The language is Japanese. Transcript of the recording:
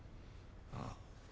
ああ。